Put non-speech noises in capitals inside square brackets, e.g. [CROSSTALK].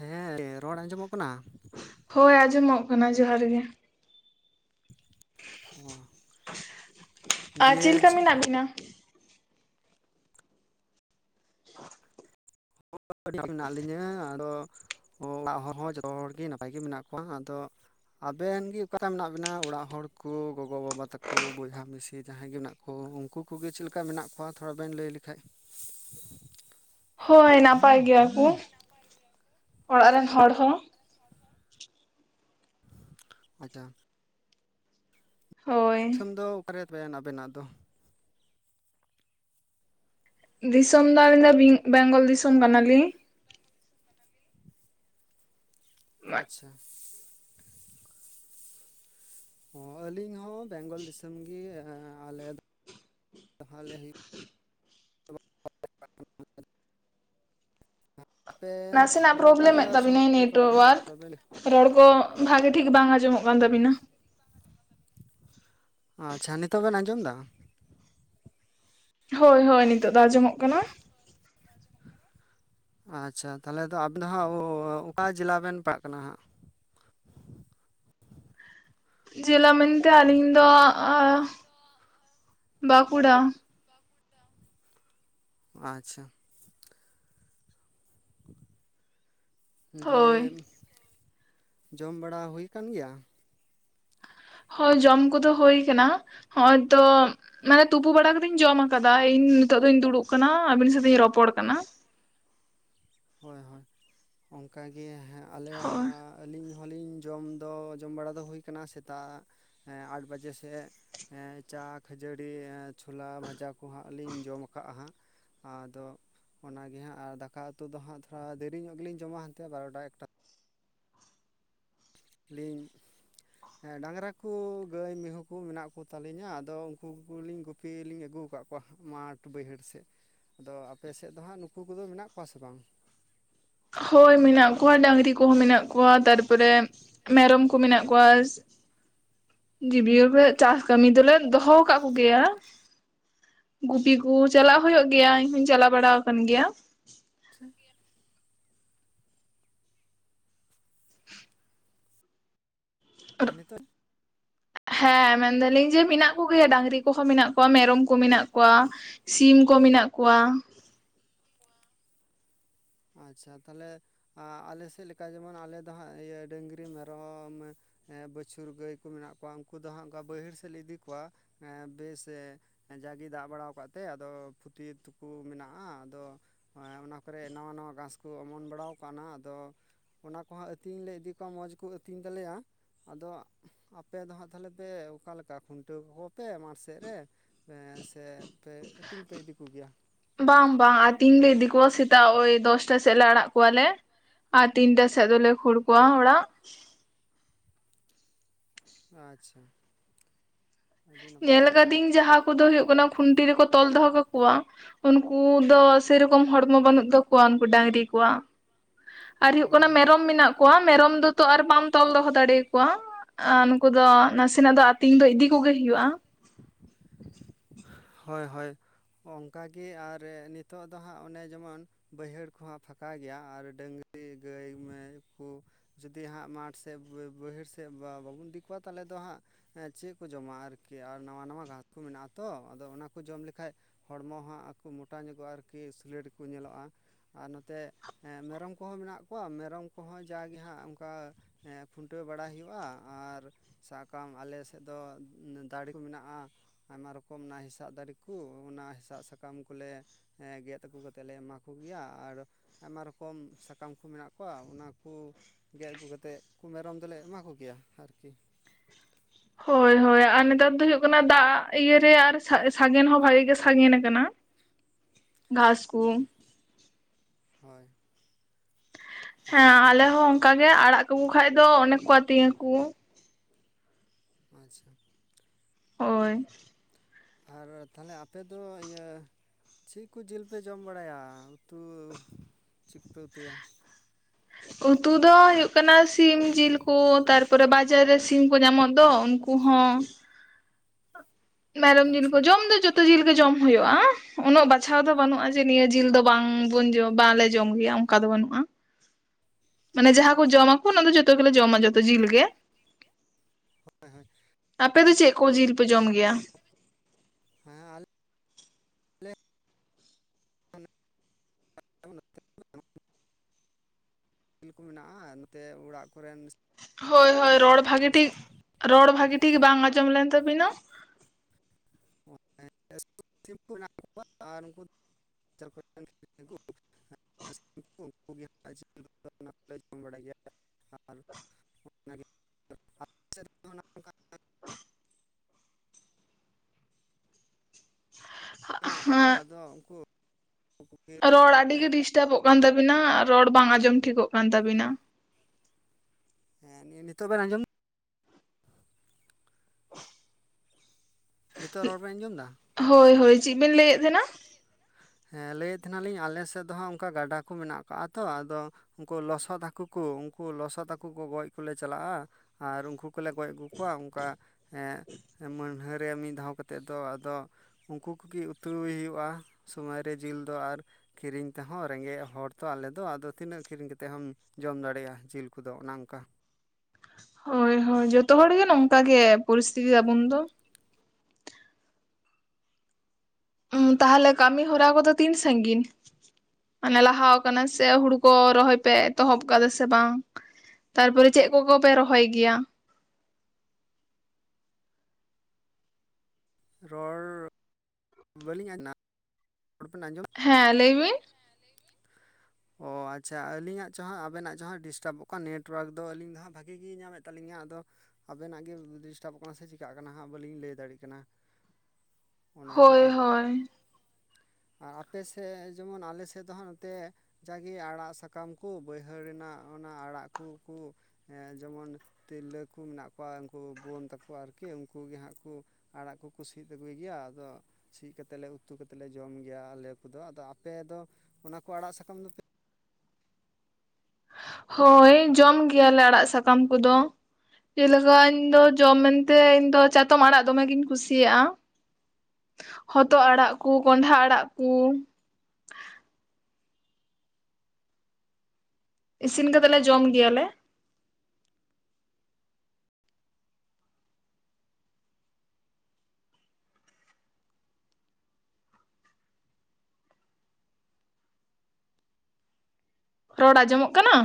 ᱦᱮᱸᱻ ᱨᱚᱲ ᱟᱸᱡᱚᱢᱚᱜ ᱠᱟᱱᱟ? ᱦᱳᱭ ᱟᱸᱡᱚᱢᱚᱜ ᱠᱟᱱᱟ ᱡᱚᱦᱟᱨ ᱜᱮ ᱾ ᱚᱸ ᱾ ᱟᱨ ᱪᱤᱫ ᱞᱮᱠᱟ ᱢᱮᱱᱟᱜ ᱵᱤᱱᱟ? [UNINTELLIGIBLE] ᱢᱮᱱᱟᱜ ᱞᱤᱧᱟᱹ ᱟᱫᱚ ᱼᱼ ᱚᱲᱟᱜ ᱦᱚᱲ ᱦᱚᱸ ᱡᱚᱛᱚ ᱦᱚᱲ ᱜᱮ ᱱᱟᱯᱟᱭ ᱜᱮ ᱢᱮᱱᱟᱜ ᱠᱚᱣᱟ ᱟᱫᱚ᱾ ᱟᱵᱮᱱ ᱜᱮ ᱚᱠᱟ ᱞᱮᱠᱟ ᱢᱮᱱᱟᱜ ᱵᱮᱱᱟ? ᱚᱲᱟᱜ ᱦᱚᱲ ᱠᱚ ᱜᱚᱜᱚ ᱵᱟᱵᱟ ᱛᱟᱠᱚ ᱵᱚᱭᱦᱟ ᱢᱤᱥᱤ ᱡᱟᱦᱟᱸᱭ ᱜᱮ ᱢᱮᱱᱟᱜ ᱠᱚ ᱾ ᱦᱚ ᱩᱱᱠᱩ ᱠᱚᱜᱮ ᱪᱮᱫ ᱞᱮᱠᱟ ᱢᱮᱱᱟᱜ ᱠᱚᱣᱟ? ᱛᱷᱚᱲᱟ ᱵᱮᱱ ᱞᱟᱹᱭ ᱞᱮᱠᱷᱟᱡ ᱾ ᱦᱳᱭ ᱱᱟᱯᱟᱭ ᱜᱮᱭᱟ ᱠᱚ ᱚᱲᱟᱜ ᱨᱮᱱ ᱦᱚᱲ ᱦᱚᱸ᱾ ᱟᱪᱪᱷᱟ᱾ ᱦᱳᱭ ᱫᱤᱥᱚᱢ ᱫᱚ ᱚᱠᱟᱨᱮ ᱛᱟᱵᱮᱱ ᱟᱵᱮᱱᱟᱜ ᱫᱚ? ᱫᱤᱥᱚᱢ ᱫᱚ ᱟᱹᱞᱤᱧ ᱫᱚ ᱵᱮᱝᱜᱚᱞ ᱫᱤᱥᱚᱢ ᱠᱟᱱᱟᱞᱤᱧ ᱾ ᱟᱪᱪᱷᱟ᱾ ᱟᱹᱞᱤᱧ ᱦᱚᱸ ᱵᱮᱝᱜᱚᱞ ᱫᱤᱥᱚᱢ ᱜᱤ ᱟᱞᱮ [UNINTELLIGIBLE] ᱼᱼ ᱟᱯᱮ ᱱᱟᱥᱮ ᱱᱟᱜ ᱫᱚ ᱚᱠᱟ ᱯᱨᱳᱵᱞᱮᱢ ᱮᱫ ᱡᱮᱞᱟ ᱪᱚ ᱛᱟᱵᱤᱱᱟᱭ ᱦᱟᱸᱜ ᱯᱮ ᱯᱟᱲᱟᱜ ᱠᱟᱱᱟ ᱱᱮᱴᱣᱟᱨᱠ᱾ ᱨᱚᱲ ᱠᱚ ᱵᱷᱟᱜᱮ ᱴᱷᱤᱠ ᱵᱟᱝ ᱟᱸᱡᱚᱢᱚᱜ ᱠᱟᱱ ᱛᱟᱵᱤᱱᱟ᱾ ᱟᱪᱪᱷᱟ ᱱᱤᱛᱚᱜ ᱵᱮᱱ ᱟᱸᱡᱚᱢ ᱮᱫᱟ? ᱦᱳᱭ ᱦᱳᱭ ᱱᱤᱛᱚᱜ ᱫᱚ ᱟᱸᱡᱚᱢᱚᱜ ᱠᱟᱱᱟ᱾ ᱟᱪᱪᱷᱟ ᱛᱟᱦᱚᱞᱮ ᱟᱫᱚ ᱟᱵᱮᱱ ᱫᱚ ᱦᱟᱸᱜ ᱚᱠᱟ ᱡᱮᱞᱟ ᱵᱮᱱ ᱯᱟᱲᱟᱜ ᱠᱟᱱᱟ ᱦᱟᱸᱜ? ᱡᱮᱞᱟ ᱢᱮᱱᱛᱮ ᱟᱹᱞᱤᱧ ᱫᱚ ᱵᱟᱸᱠᱩᱲᱟ᱾ ᱟᱪᱪᱷᱟ᱾ ᱫᱤᱭᱮ ᱦᱳᱭ ᱡᱚᱢ ᱵᱟᱲᱟ ᱦᱩᱭ ᱟᱠᱟᱱ ᱜᱮᱭᱟ? ᱦᱳᱭ ᱡᱚᱢ ᱠᱚᱫᱚ ᱦᱩᱭ ᱠᱟᱱᱟ ᱱᱚᱜᱼᱚᱭ ᱛᱚ ᱼᱼ ᱢᱟᱱᱮ ᱛᱩᱯᱩ ᱵᱟᱲᱟ ᱠᱟᱛᱮᱧ ᱡᱚᱢ ᱟᱠᱟᱫᱟ ᱤᱧ ᱱᱤᱛᱚᱜ ᱫᱩᱧ ᱫᱩᱲᱩᱵ ᱠᱟᱱᱟ ᱟᱵᱤᱱ ᱥᱟᱶᱛᱮᱧ ᱨᱚᱯᱚᱲ ᱠᱟᱱᱟ᱾ ᱦᱳᱭ ᱦᱳᱭ ᱚᱱᱠᱟ ᱜᱤ ᱦᱮᱸ ᱟᱞᱮ ᱦᱳᱭ ᱦᱚᱸ ᱼᱼ ᱟᱹᱞᱤᱧ ᱦᱚ ᱞᱤᱧ ᱡᱚᱢ ᱫᱚ ᱡᱚᱢ ᱵᱟᱲᱟ ᱫᱚ ᱦᱩᱭ ᱟᱠᱟᱱᱟ ᱥᱮᱛᱟᱜ ᱟᱴ ᱵᱟᱡᱮ ᱥᱮᱫ ᱾ ᱪᱟ ᱠᱷᱟᱹᱡᱟᱹᱲᱤ ᱪᱷᱚᱞᱟ ᱵᱷᱟᱡᱟ ᱠᱚ ᱦᱟᱸᱜ ᱞᱤᱧ ᱡᱚᱢ ᱠᱟᱜᱼᱟ ᱦᱟᱸᱜ᱾ ᱟᱫᱚ ᱚᱱᱟ ᱜᱤ ᱦᱟᱸᱜ ᱟᱨ ᱫᱟᱠᱟ ᱩᱛᱩ ᱫᱚ ᱦᱟᱸᱜ ᱛᱷᱚᱲᱟ ᱫᱮᱨᱤ ᱧᱚᱜ ᱜᱮᱞᱤᱧ ᱡᱚᱢᱟ ᱦᱟᱱᱛᱮ ᱵᱟᱨᱚᱴᱟ ᱮᱠᱴᱟ᱾ ᱟᱹᱞᱤᱧ ᱼᱼ ᱦᱮᱸ ᱰᱟᱝᱨᱟ ᱠᱩ ᱜᱟᱹᱭ ᱢᱤᱦᱩ ᱠᱩ ᱢᱮᱱᱟᱜ ᱠᱩ ᱛᱟᱞᱤᱧᱟ ᱟᱫᱚ ᱩᱱᱠᱩ ᱠᱩ ᱜᱮ ᱞᱤᱧ ᱜᱩ ᱼᱼ ᱯᱤ ᱞᱤᱧ ᱟᱹᱜᱩ ᱟᱠᱟᱫ ᱠᱚᱣᱟ ᱢᱟᱴᱷ ᱵᱟᱹᱭᱦᱟᱹᱲ ᱥᱮᱫ᱾ ᱟᱫᱚ ᱟᱯᱮ ᱥᱮᱫ ᱫᱚ ᱦᱟᱸᱜ ᱱᱩᱠᱩ ᱠᱚᱫᱚ ᱢᱮᱱᱟᱜ ᱠᱚᱣᱟ ᱥᱮ ᱵᱟᱝ? ᱦᱳᱭ ᱢᱮᱱᱟᱜ ᱠᱚᱣᱟ ᱰᱟᱝᱨᱤ ᱠᱚᱦᱚᱸ ᱢᱮᱱᱟᱜ ᱠᱚᱣᱟ ᱛᱟᱨᱯᱚᱨᱮ ᱼᱼ ᱢᱮᱨᱚᱢ ᱠᱚ ᱢᱮᱱᱟᱜ ᱠᱚᱣᱟ᱾ ᱡᱤᱵᱤᱭᱚ ᱨᱮ ᱪᱟᱥ ᱠᱟᱹᱢᱤ ᱫᱚ ᱞᱮ ᱫᱚᱦᱚ ᱟᱠᱟᱫ ᱠᱚ ᱜᱮᱭᱟ ᱾ ᱜᱩᱯᱤ ᱠᱩ ᱪᱟᱞᱟᱜ ᱦᱩᱭᱩᱜ ᱜᱮᱭᱟ ᱤᱧ ᱦᱚᱧ ᱪᱟᱞᱟᱣ ᱵᱟᱲᱟ ᱟᱠᱟᱱ ᱜᱮᱭᱟ ᱾ [UNINTELLIGIBLE] ᱦᱮᱸ ᱱᱤᱛᱳᱜ ᱼᱼ ᱦᱮᱸ ᱢᱮᱱ ᱫᱟᱞᱤᱧ ᱡᱮ ᱢᱮᱱᱟᱜ ᱠᱩ ᱜᱮᱭᱟ ᱰᱟᱝᱨᱤ ᱠᱚᱦᱚᱸ ᱢᱮᱱᱟᱜ ᱠᱚᱣᱟ ᱢᱮᱨᱚᱢ ᱠᱚ ᱢᱮᱱᱟᱜ ᱠᱚᱣᱟ᱾ ᱥᱤᱢ ᱠᱚ ᱢᱮᱱᱟᱜ ᱠᱚᱣᱟ᱾ ᱟᱪᱪᱷᱟ ᱛᱟᱞᱦᱮ ᱟᱞᱮ ᱥᱮᱫ ᱞᱮᱠᱟ ᱡᱮᱢᱚᱱ ᱟᱞᱮ ᱫᱚ ᱦᱟᱸᱜ ᱰᱟᱝᱨᱤ ᱢᱮᱨᱚᱢ ᱼᱼ ᱦᱮᱸ ᱵᱟᱹᱪᱷᱩᱨ ᱜᱟᱹᱭ ᱠᱚ ᱢᱮᱱᱟᱜ ᱠᱚᱣᱟ ᱩᱱᱠᱩ ᱫᱚ ᱦᱟᱸᱜ ᱚᱱᱠᱟ ᱵᱟᱹᱭᱦᱟᱹᱲ ᱥᱮᱫ ᱞᱮ ᱤᱫᱤ ᱠᱚᱣᱟ ᱵᱮᱥᱼᱼ ᱦᱮᱸ ᱡᱟᱜᱮ ᱫᱟᱜ ᱵᱟᱲᱟ ᱟᱠᱟᱫ ᱛᱮ ᱟᱫᱚ [UNINTELLIGIBLE] ᱠᱚ ᱢᱮᱱᱟᱜᱼᱟ ᱟᱫᱚ ᱚᱱᱟ ᱠᱚᱨᱮ ᱼᱼ ᱱᱟᱶᱟ ᱱᱟᱶᱟ ᱜᱷᱟᱸᱥ ᱠᱚ ᱚᱢᱚᱱ ᱵᱟᱲᱟᱣ ᱟᱠᱟᱱᱟ ᱟᱫᱚ ᱾ ᱚᱱᱟ ᱠᱚ ᱦᱟᱜ ᱟᱹᱛᱤᱧ ᱞᱮ ᱤᱫᱤ ᱠᱚᱣᱟ ᱢᱚᱸᱡᱽ ᱠᱚ ᱟᱹᱛᱤᱧ ᱛᱟᱞᱮᱭᱟ᱾ ᱟᱫᱚ ᱟᱯᱮ ᱫᱚ ᱦᱟᱸᱜ ᱛᱟᱦᱚᱞᱮ ᱯᱮ ᱚᱠᱟᱞᱮᱠᱟ ᱠᱷᱩᱱᱴᱟᱹᱣ ᱠᱟᱣᱟᱠᱚ ᱯᱮ ᱢᱟᱴᱷ ᱥᱮᱫ ᱨᱮ ᱥᱮ ᱯᱮ ᱟᱹᱛᱤᱧ ᱯᱮ ᱤᱫᱤ ᱠᱚᱜᱮᱭᱟ ᱵᱟᱝ ᱵᱟᱝ ᱟᱹᱛᱤᱧ ᱞᱮ ᱤᱫᱤ ᱠᱚᱣᱟ ᱥᱮᱛᱟᱜ ᱳᱭ ᱫᱚᱥᱴᱟ ᱥᱮᱫ ᱞᱮ ᱟᱲᱟᱜ ᱠᱚᱣᱟᱞᱮ᱾ ᱟᱨ ᱛᱤᱱᱴᱟ ᱥᱮᱫ ᱫᱚᱞᱮ ᱠᱷᱳᱲ ᱠᱚᱣᱟ ᱚᱲᱟᱜ ᱟᱪᱪᱷᱟ ᱟᱹᱰᱤ ᱱᱟᱯᱟᱭ ᱧᱮᱞ ᱟᱫᱚ ᱠᱟᱫᱤᱧ ᱡᱟᱦᱟᱸ ᱠᱚᱫᱚ ᱦᱩᱭᱩᱜ ᱠᱟᱱᱟ ᱠᱷᱩᱱᱴᱤ ᱨᱮᱠᱚ ᱛᱚᱞ ᱫᱚᱦᱚ ᱠᱟᱠᱚᱣᱟ ᱩᱱᱠᱩ ᱫᱚ ᱥᱮᱨᱚᱠᱚᱢ ᱦᱚᱲᱢᱚ ᱵᱟᱹᱱᱩᱜ ᱛᱟᱠᱚᱣᱟ ᱩᱱᱠᱩ ᱰᱟᱝᱨᱤ ᱠᱚᱣᱟᱜ [UNINTELLIGIBLE] ᱟᱨ ᱦᱩᱭᱩᱜᱜ ᱠᱟᱱᱟ ᱦᱳᱭ ᱢᱮᱨᱚᱢ ᱢᱮᱱᱟᱜ ᱠᱚᱣᱟ ᱢᱮᱨᱚᱢ ᱫᱚᱛᱚ ᱟᱨ ᱵᱟᱢ ᱛᱚᱞ ᱫᱚᱦᱚ ᱫᱟᱲᱮᱭᱟᱠᱚᱣᱟ ᱟ ᱱᱩᱠᱩ ᱫᱚ ᱱᱟᱥᱮᱱᱟᱜ ᱫᱚ ᱟᱛᱤᱧ ᱫᱚ ᱤᱫᱤ ᱠᱚᱜᱮ ᱦᱩᱭᱩᱜᱼᱟ ᱦᱳᱭ ᱦᱳᱭ ᱚᱱᱠᱟᱜᱤ ᱟᱨ ᱱᱤᱛᱚᱜ ᱫᱚ ᱦᱟᱸᱜ ᱚᱱᱮ ᱡᱮᱢᱚᱱ ᱵᱟᱹᱭᱦᱟᱹᱲ ᱠᱚᱦᱚᱸ ᱯᱷᱟᱸᱠᱟ ᱜᱮᱭᱟ ᱟᱨ ᱰᱟᱹᱝᱨᱤ ᱜᱟᱹᱭ ᱢᱮᱨᱚᱢ ᱠᱩ ᱡᱩᱫᱤ ᱦᱟᱸᱜ ᱢᱟᱴᱷ ᱥᱮᱫ ᱵᱟᱹᱭᱦᱟᱹᱲ ᱥᱮᱫ ᱵᱟᱵᱚᱱ ᱤᱫᱤ ᱠᱚᱣᱟ ᱛᱟᱦᱚᱞᱮ ᱫᱚ ᱦᱟᱸᱜ ᱮ ᱪᱮᱜ ᱠᱚ ᱡᱚᱢᱟ ᱟᱨᱠᱤ ᱟᱨ ᱱᱟᱣᱟ ᱱᱟᱣᱟ ᱜᱷᱟᱥ ᱠᱚ ᱢᱮᱱᱟᱜᱼᱟ ᱛᱚ ᱟᱫᱚ ᱚᱱᱟ ᱠᱚ ᱡᱚᱢ ᱞᱮᱠᱷᱟᱡ ᱦᱚᱲᱢᱚ ᱦᱟᱸᱜ ᱠᱚ ᱢᱚᱴᱟ ᱧᱚᱜᱚᱜᱼᱟ ᱟᱨᱠᱤ ᱥᱩᱞᱮᱴ ᱜᱮ ᱠᱚ ᱧᱮᱞᱚᱜᱼᱟ ᱟᱨ ᱱᱚᱛᱮ ᱢᱮᱨᱚᱢ ᱠᱚᱦᱚᱸ ᱢᱮᱱᱟᱜ ᱠᱚᱣᱟ ᱢᱮᱨᱚᱢ ᱠᱚᱦᱚᱸ ᱡᱟᱜᱮ ᱦᱟᱸᱜ ᱚᱱᱠᱟ ᱦᱮᱸ ᱠᱷᱩᱱᱴᱟᱹᱣ ᱵᱟᱲᱟ ᱦᱩᱭᱩᱜᱼᱟ ᱟᱨ ᱥᱟᱵ ᱠᱟᱜ ᱟᱢ ᱟᱞᱮ ᱥᱮᱫ ᱫᱚ ᱫᱟᱲᱮ ᱢᱮᱱᱟᱜᱼᱟ ᱟᱭᱢᱟ ᱨᱚᱠᱚᱢ ᱠᱚᱢᱱᱟ ᱦᱮᱸᱥᱟᱜ ᱫᱟᱨᱮ ᱠᱚ ᱚᱱᱟ ᱦᱮᱸᱥᱟᱜ ᱥᱟᱠᱟᱢ ᱠᱚᱞᱮ ᱮ ᱜᱮᱫ ᱟᱹᱜᱩ ᱠᱟᱛᱮᱜ ᱞᱮ ᱮᱢᱟ ᱠᱩ ᱜᱮᱭᱟ ᱟᱨ ᱟᱭᱢᱟ ᱨᱚᱠᱚᱢ ᱥᱟᱠᱟᱢ ᱠᱩ ᱢᱮᱱᱟᱜ ᱠᱚᱣᱟ ᱚᱱᱟ ᱠᱩ ᱜᱮᱫ ᱟᱹᱜᱩ ᱠᱟᱛᱮᱫ ᱩᱱᱠᱩ ᱢᱮᱨᱚᱢ ᱫᱚᱞᱮ ᱮᱢᱟ ᱠᱚᱜᱮᱭᱟ ᱟᱨᱠᱤ ᱦᱳᱭ ᱦᱳᱭ ᱟᱨ ᱱᱮᱛᱟᱨ ᱫᱚ ᱦᱩᱭᱩᱜ ᱠᱟᱱᱟ ᱫᱟᱜ ᱤᱭᱟ. ᱨᱮ ᱟᱨ ᱥᱟᱜᱮᱱ ᱦᱚᱸ ᱵᱷᱟᱜᱮ ᱜᱮ ᱥᱟᱜᱮᱱ ᱠᱟᱱᱟ [UNINTELLIGIBLE] ᱜᱷᱟᱸᱥ ᱦᱚᱭ ᱦᱮᱸ ᱟᱞᱮ ᱦᱚᱸ ᱚᱱᱠᱟᱜ ᱜᱮ ᱟᱲᱟᱜ ᱠᱟᱠᱚ ᱠᱷᱟᱡ ᱫᱚ ᱚᱱᱮᱠ ᱠᱚ ᱟᱹᱛᱤᱧᱟ ᱠᱚ ᱟᱪᱪᱷᱟ ᱦᱳᱭ ᱟᱨ ᱛᱟᱦᱚᱞᱮ ᱟᱯᱮ ᱫᱚ ᱤᱭᱟᱹ ᱪᱮᱫ ᱠᱚ ᱡᱤᱞ ᱯᱮ ᱡᱚᱢ ᱵᱟᱲᱟᱭᱟ ᱩᱛᱩ ᱪᱮᱫ ᱠᱚᱯᱮ ᱩᱛᱩᱭᱟ ᱩᱛᱩ ᱫᱚ ᱦᱩᱭᱩᱜᱜ ᱠᱟᱱᱟ ᱥᱤᱢ ᱡᱤᱞ ᱠᱚ ᱛᱟᱨᱯᱚᱨᱮ ᱵᱟᱡᱟᱨ ᱨᱮ ᱥᱤᱢ ᱠᱚ ᱧᱟᱢᱚᱜ ᱫᱚ ᱤᱧ ᱦᱚᱸ ᱢᱮᱨᱚᱢ ᱡᱮᱞ ᱠᱚ ᱟᱪᱪᱷᱟ ᱡᱚᱢ ᱫᱚ ᱡᱚᱛ ᱡᱚᱛᱚ ᱡᱮᱞ ᱜᱮ ᱡᱚᱢ ᱦᱩᱭᱩᱜᱼᱟ ᱩᱱᱟᱹᱜ ᱵᱟᱪᱷᱟᱣ ᱫᱚ ᱵᱟᱹᱱᱩᱜᱼᱟ ᱡᱮ ᱱᱤᱭᱟᱹ ᱡᱤᱞ ᱫᱚ ᱵᱟᱝᱵᱚᱱ ᱵᱟᱝᱞᱮ ᱡᱚᱢ ᱜᱮᱭᱟ ᱚᱱᱠᱟ ᱫᱚ ᱵᱟᱹᱱᱩᱜᱼᱟ ᱦ ᱚᱱᱮ ᱡᱟᱦᱟᱸ ᱠᱚ ᱡᱚᱢᱟᱠᱩ ᱚᱱᱟ ᱫᱚ ᱡᱚᱛᱚ ᱜᱮᱞᱮ ᱡᱚᱢᱟ ᱡᱚᱛ ᱛᱚ ᱡᱤᱞ ᱜᱮ ᱦᱳᱭ ᱦᱳᱭ ᱟᱯᱮ ᱫᱚ ᱪᱮᱫ ᱠᱚ ᱡᱤᱞ ᱯᱮ ᱡᱚᱢ ᱜᱮᱭᱟ ᱦᱮᱸ ᱟᱞᱮ ᱞᱮ ᱚᱱᱟ [UNINTELLIGIBLE] ᱡᱤᱞ ᱠᱚ ᱢᱮᱱᱟᱜᱼᱟ ᱱᱚᱛᱮ ᱚᱲᱟᱜ ᱠᱚᱨᱮᱱ ᱦᱳᱭ ᱦᱳᱭ ᱨᱚᱲ ᱵᱷᱟᱜᱤ ᱴᱷᱤᱠ ᱨᱚᱲ ᱵᱷᱟᱜᱤ ᱴᱷᱤᱠ ᱵᱟᱝ ᱟᱸᱡᱚᱢ ᱞᱮᱱ ᱛᱟᱵᱤᱱᱟ ᱦᱳᱭ ᱥᱤᱢ ᱠᱚ ᱧᱟᱢ ᱠᱚᱣᱟ ᱟᱨ [UNINTELLIGIBLE] [UNINTELLIGIBLE] ᱚᱱᱟᱞᱮ ᱡᱚᱢ ᱵᱟᱲᱟᱭ ᱜᱮᱭᱟ ᱟᱨ ᱚᱱᱟᱜᱮ [UNINTELLIGIBLE] ᱚᱱᱟ ᱚᱱᱠᱟ ᱢᱮᱱᱟᱜ ᱠᱟᱜ -ᱟ ᱦᱮᱸ ᱟᱫᱚ ᱩᱱᱠᱩ ᱜᱮ ᱨᱚᱲ ᱟᱹᱰᱤᱜᱮ ᱰᱤᱥᱴᱟᱵᱚᱜ ᱠᱟᱱ ᱛᱟᱵᱤᱱᱟ ᱨᱚᱲ ᱵᱟᱝ ᱟᱸᱡᱚᱢ ᱴᱷᱤᱠᱚᱜ ᱠᱟᱱ ᱛᱟᱵᱤᱱᱟ ᱦᱮᱸ ᱱᱤ ᱱᱤᱛᱚᱜ ᱵᱮᱱ ᱟᱸᱡᱚᱢᱫᱟ [UNINTELLIGIBLE] ᱱᱤᱛᱚᱜ ᱨᱚᱲ ᱵᱮᱱ ᱟᱸᱡᱚᱢ ᱫᱟ? ᱦᱚᱭ ᱦᱚᱭ ᱪᱮᱫ ᱵᱤᱱ ᱞᱟᱹᱭᱮᱫ ᱛᱟᱦᱮᱱᱟ? ᱦᱮᱸ ᱞᱟᱹᱭᱮᱫ ᱛᱟᱦᱮᱱᱟᱞᱤᱧ ᱟᱞᱮᱥᱮᱫ ᱫᱚ ᱦᱟᱸᱜ ᱚᱱᱠᱟ ᱜᱟᱰᱟ ᱠᱚ ᱢᱮᱱᱟᱜ ᱟᱠᱟᱜ ᱛᱚ ᱟᱫᱚ ᱩᱱᱠᱩ ᱞᱚᱥᱚᱫ ᱦᱟᱠᱩ ᱠᱚ ᱩᱱᱠᱩ ᱞᱚᱥᱚᱫ ᱦᱟᱠᱩ ᱠᱚ ᱜᱚᱡ ᱠᱚᱞᱮ ᱪᱟᱞᱟᱜᱼᱟ ᱾ ᱟᱨ ᱩᱱᱠᱩ ᱠᱚᱞᱮ ᱜᱚᱡ ᱟᱹᱜᱩ ᱠᱚᱣᱟ ᱚᱱᱠᱟ ᱮᱸ ᱢᱟᱹᱱᱦᱟᱹ ᱨᱮ ᱢᱤᱫ ᱫᱚᱷᱟᱦᱣ ᱠᱟᱛᱮᱫ ᱫᱚ ᱟᱫᱚ ᱩᱱᱠᱩ ᱠᱚᱜᱮ ᱩᱛᱩᱭ ᱦᱩᱭᱩᱜᱼᱟ ᱾ ᱥᱚᱢᱚᱭ ᱨᱮ ᱡᱤᱞ ᱫᱚ ᱟᱨ ᱠᱷᱤᱨᱤᱧ ᱛᱮᱦᱚᱸ ᱨᱮᱸᱜᱮᱡ ᱦᱚᱲ ᱛᱚ ᱟᱞᱮᱫᱚ ᱟᱫᱚ ᱛᱤᱱᱟᱹᱜ ᱠᱤᱨᱤᱧ ᱠᱟᱛᱮ ᱦᱚᱢ ᱡᱚᱢ ᱫᱟᱲᱮᱭᱟᱜᱼᱟ ᱡᱤᱞ ᱠᱚᱫᱚ ᱚᱱᱮ ᱚᱱᱠᱟ᱾ ᱦᱚᱭ ᱦᱚᱭ ᱡᱚᱛᱚ ᱦᱚᱲ ᱜᱮ ᱱᱚᱝᱠᱟ ᱜᱮ ᱯᱚᱨᱤᱥᱛᱤᱛᱤ ᱛᱟᱵᱚᱱ ᱫᱚ ᱾ ᱩ ᱛᱟᱦᱚᱞᱮ ᱠᱟᱹᱢᱤ ᱦᱚᱨᱟ ᱠᱚᱫᱚ ᱛᱤᱱ ᱥᱟᱸᱜᱤᱧ? ᱢᱟᱱᱮ ᱞᱟᱦᱟ ᱟᱠᱟᱱᱟ ᱥᱮ ᱦᱩᱲᱩ ᱠᱚ ᱨᱚᱦᱚᱭ ᱯᱮ ᱮᱛᱚᱦᱚᱵ ᱟᱠᱟᱫᱟ ᱥᱮ ᱵᱟᱝ? ᱛᱟᱨᱯᱚᱨᱮ ᱪᱮᱫ ᱠᱚᱯᱮ ᱨᱚᱦᱚᱭ ᱜᱮᱭᱟ? ᱨᱚᱲ [INAUDIBLE] ᱵᱟᱹᱞᱤᱧ ᱟᱡᱸᱱᱟ [INAUDIBLE] ᱨᱚᱲ ᱵᱮᱱ ᱟᱸᱡᱚᱢ ᱦᱮᱸ ᱞᱟᱹᱭ ᱵᱤᱱ? [UNINTELLIGIBLE] ᱚ ᱟᱪᱪᱷᱟ ᱟᱹᱞᱤᱧᱟᱜ ᱪᱚᱦᱟᱸ ᱟᱵᱮᱱᱟᱜ ᱡᱟᱸᱦᱟ ᱰᱤᱥᱴᱟᱵᱚᱜ ᱠᱟᱱᱟ ᱱᱮᱴᱳᱣᱟᱨᱠ ᱫᱚ ᱟᱹᱞᱤᱧ ᱫᱚ ᱦᱟᱸᱜ ᱵᱷᱟᱜᱤ ᱜᱮ ᱧᱟᱢᱮᱫ ᱛᱟᱹᱞᱤᱧᱟ ᱟᱫᱚ ᱟᱵᱮᱱᱟᱜ ᱜᱮ ᱰᱤᱥᱴᱟᱵ ᱠᱟᱱᱟ ᱥᱮ ᱪᱤᱠᱟᱹᱜ ᱠᱟᱱᱟ ᱦᱟᱸᱜ ᱵᱟᱹᱞᱤᱧ ᱞᱟᱹᱭ ᱫᱟᱲᱮᱭᱟᱜ ᱠᱟᱱᱟ ᱾ ᱚᱱᱟᱜᱮ ᱦᱳᱭ ᱟᱨ ᱦᱳᱭ ᱦᱚᱭ ᱦᱚᱭ ᱟᱨ ᱟᱯᱮ ᱥᱮᱫ ᱡᱮᱢᱚᱱ ᱟᱞᱮ ᱥᱮᱫ ᱫᱚ ᱦᱟᱸᱜ ᱛᱮ ᱡᱟᱜᱮ ᱟᱲᱟᱜ ᱥᱟᱠᱟᱢ ᱠᱚ ᱵᱟᱹᱭᱦᱟᱹᱲ ᱨᱮᱱᱟᱜ ᱚᱱᱟ ᱟᱲᱟᱜ ᱠᱩᱠᱩ ᱮᱸ ᱡᱮᱢᱚᱱ ᱛᱤᱨᱞᱟᱹ ᱠᱚ ᱢᱮᱱᱟᱜ ᱠᱚᱣᱟ ᱩᱱᱠᱩ ᱵᱳᱱ ᱛᱟᱠᱚ ᱟᱨᱠᱤ ᱩᱱᱠᱩ ᱜᱮ ᱦᱟᱸᱜ ᱠᱩ ᱟᱲᱟᱜ ᱠᱩᱠᱩ ᱥᱤᱫ ᱟᱹᱜᱩᱭ ᱜᱮᱭᱟ ᱟᱫᱚ ᱥᱤᱫ ᱠᱟᱛᱮ ᱞᱮ ᱩᱛᱩ ᱠᱟᱛᱮ ᱞᱮ ᱡᱚᱢ ᱜᱮᱭᱟ ᱟᱞᱮ ᱠᱚᱫᱚ ᱾ ᱟᱫᱚ ᱟᱯᱮ ᱫᱚ ᱚᱱᱟ ᱠᱚ ᱟᱲᱟᱜ ᱥᱟᱠᱟᱢ ᱫᱚᱯᱮ? ᱦᱚᱭ ᱡᱚᱢ ᱜᱮᱭᱟᱞᱮ ᱟᱲᱟᱜ ᱥᱟᱠᱟᱢ ᱠᱚᱫᱚ ᱾ [UNINTELLIGIBLE] ᱤᱧ ᱫᱚ ᱡᱚᱢ ᱢᱮᱱᱛᱮ ᱤᱧ ᱫᱚ ᱪᱟᱛᱚᱢ ᱟᱲᱟᱜ ᱫᱚᱢᱮᱤᱧ ᱠᱩᱥᱤᱭᱟᱜᱼᱟ ᱾ ᱦᱚᱛᱚᱫ ᱟᱲᱟᱜ ᱠᱩ, ᱠᱸᱰᱷᱟ ᱟᱲᱟᱜ ᱠᱩ ᱾ ᱤᱥᱤᱱ ᱠᱟᱛᱮ ᱞᱮ ᱡᱚᱢ ᱜᱮᱭᱟᱞᱮ ᱾ ᱨᱚᱲ ᱟᱸᱡᱚᱢᱚᱜ ᱠᱟᱱᱟ?